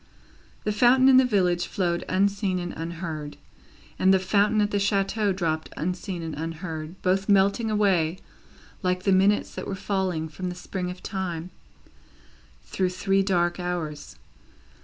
The fountain in the village flowed unseen and unheard, and the fountain at the chateau dropped unseen and unheard both melting away, like the minutes that were falling from the spring of Time through three dark hours.